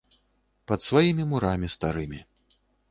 Пад сваімі мурамі старымі.